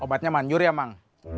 obatnya manjur ya bang